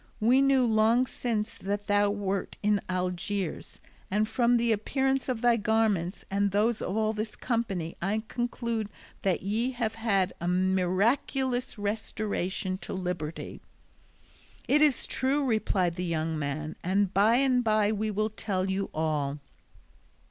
We knew long since that thou wert in Algiers, and from the appearance of thy garments and those of all this company, I conclude that ye have had a miraculous restoration to liberty." "It is true," replied the young man, "and by and by we will tell you all."